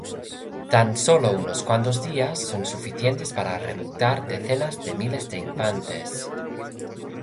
Tan sólo unos cuantos días son suficientes para reclutar decenas de miles de infantes.